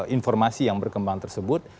informasi yang berkembang tersebut